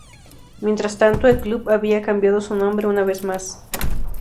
Mientras tanto, el club había cambiado su nombre una vez más.